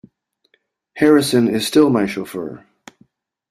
Harrison is still my chauffeur.